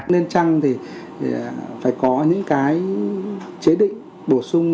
nên chăng thì phải có những cái chế định bổ sung